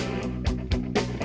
nah ini juga